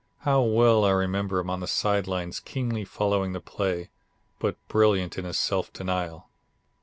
How well I remember him on the side lines keenly following the play, but brilliant in his self denial.